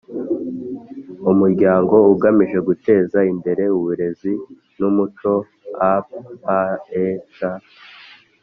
Umuryango Ugamije Guteza Imbere Uburezi n Umuco A P E C